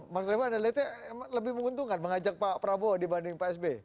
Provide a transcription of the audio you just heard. mas reva ada lihatnya lebih menguntungkan mengajak pak prabowo dibanding pak s b